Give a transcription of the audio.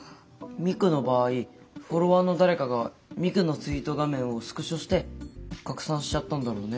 ミクの場合フォロワーの誰かがミクのツイート画面をスクショして拡散しちゃったんだろうね。